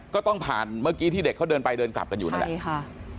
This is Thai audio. ก็ต้องผ่านเมื่อกี้ที่เด็กเขาเดินไปเดินกลับกันอยู่นั่นแหละใช่ค่ะ